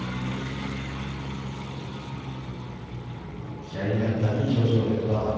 気合いの入ったいい表情で、児玉。